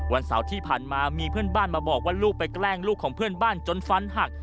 วันเสาร์ที่ผ่านมามีเพื่อนบ้านมาบอกว่าลูกไปแกล้งลูกของเพื่อนบ้านจนฟันหัก